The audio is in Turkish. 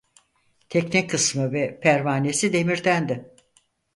Tekne kısmı ve pervanesi demirdendi.